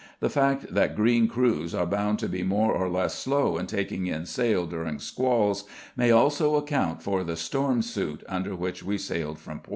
The fact that green crews are bound to be more or less slow in taking in sail during squalls may also account for the "storm suit" under which we sailed from port.